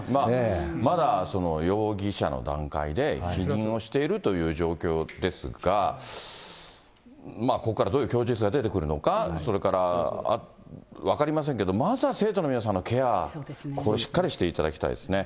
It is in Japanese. まだ容疑者の段階で否認をしているという状況ですが、ここからどういう供述が出てくるのか、それから分かりませんけど、まずは生徒の皆さんのケア、これ、しっかりしていただきたいですね。